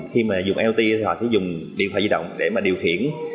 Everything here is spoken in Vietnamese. khi mà dùng iot thì họ sẽ dùng điện thoại di động để mà điều khiển